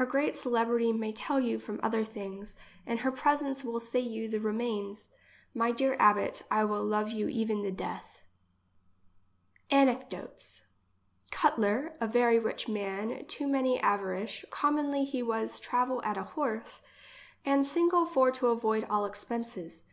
Her great celebrity may tell you from others things, and her presence will say you the remains. My dear abbot, I will love you even the death. English as she is spate. Anecdotes. Cuttler, a very rich man too many avari cious, commonly he was travel at a horse, and single (or to avoid all expenses.